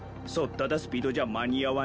ただスピードじゃ間に合わねえぞ。